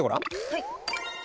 はい。